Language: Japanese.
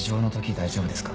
大丈夫ですか？